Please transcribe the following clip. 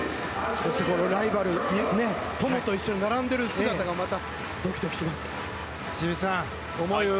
そして、ライバル友と一緒に並んでる姿がドキドキしますね。